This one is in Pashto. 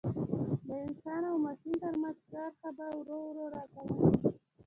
د انسان او ماشین ترمنځ کرښه به ورو ورو را کمه شي.